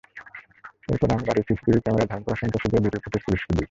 এরপর আমি বাড়ির সিসিটিভি ক্যামেরায় ধারণ করা সন্ত্রাসীদের ভিডিও ফুটেজ পুলিশকে দিই।